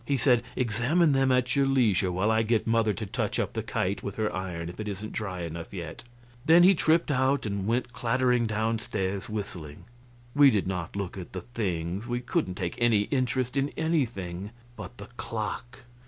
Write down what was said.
He said: "Examine them at your leisure while I get mother to touch up the kite with her iron if it isn't dry enough yet." Then he tripped out and went clattering down stairs, whistling. We did not look at the things; we couldn't take any interest in anything but the clock.